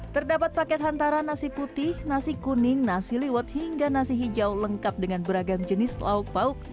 terdapat paket hantaran nasi putih nasi kuning nasi liwet hingga nasi hijau lengkap dengan beragam jenis lauk pauk